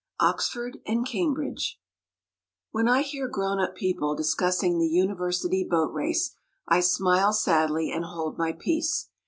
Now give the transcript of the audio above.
OXFORD AND CAMBRIDGE WHEN I hear grown up people discussing the University Boat Race I smile sadly and hold my peace.